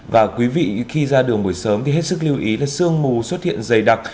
và quý vị khi ra đường buổi sớm thì hết sức lưu ý là sương mù xuất hiện dày đặc